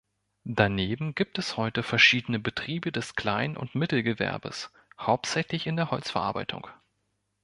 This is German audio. Daneben gibt es heute verschiedene Betriebe des Klein- und Mittelgewerbes, hauptsächlich in der Holzverarbeitung.